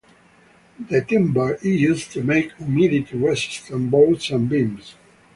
The timber is used to make humidity resistant boards and beams.